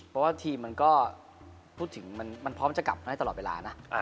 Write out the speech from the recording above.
เพราะว่าทีมมันก็พูดถึงมันพร้อมจะกลับมาได้ตลอดเวลานะ